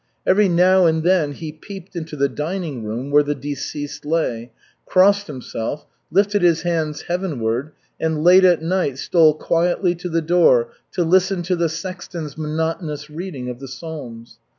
Every now and then he peeped into the dining room where the deceased lay, crossed himself, lifted his hands heavenward, and late at night stole quietly to the door to listen to the sexton's monotonous reading of the Psalms.